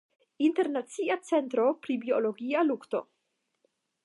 Internacia Centro pri Biologia lukto.